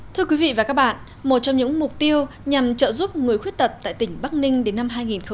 thưa quý vị và các bạn một trong những mục tiêu nhằm trợ giúp người khuyết tật tại tỉnh bắc ninh đến năm hai nghìn ba mươi